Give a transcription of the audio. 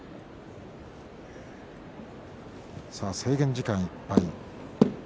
制限時間いっぱい。